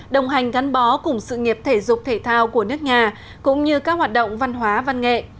đồng hành gắn bó cùng sự nghiệp thể dục thể thao của nước nhà cũng như các hoạt động văn hóa văn nghệ